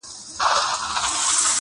چي دا پاته ولي داسي له اغیار یو؟-